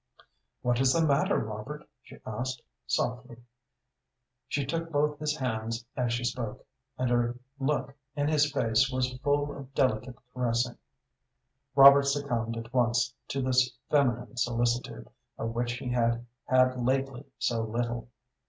"What is the matter, Robert?" she asked, softly. She took both his hands as she spoke, and her look in his face was full of delicate caressing. Robert succumbed at once to this feminine solicitude, of which he had had lately so little.